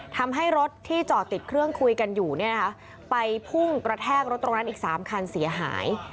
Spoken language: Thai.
ทำให้รถที่จอดติดเครื่องคุยกันอยู่เนี่ยนะคะไปพุ่งกระแทกรถตรงนั้นอีก๓คันเสียหาย